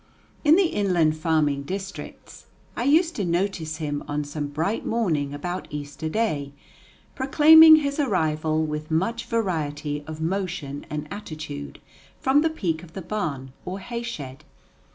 In the inland farming districts, I used to notice him, on some bright morning about Easter Day, proclaiming his arrival, with much variety of motion and attitude, from the peak of the barn or hay shed.